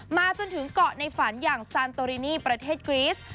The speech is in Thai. มาจนถึงเกาะในฝันอย่างซานโตรินีประเทศกรีส